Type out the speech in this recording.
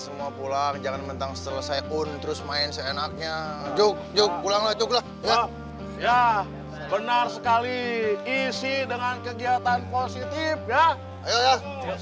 semua pulang jangan lagi berangkat bangkat ya udah udah udah udah udah udah udah udah udah udah udah